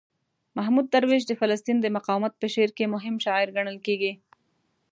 محمود درویش د فلسطین د مقاومت په شعر کې مهم شاعر ګڼل کیږي.